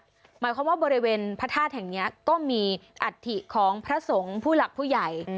หมายความว่าบริเวณพระธาตุแห่งนี้ก็มีอัฐิของพระสงฆ์ผู้หลักผู้ใหญ่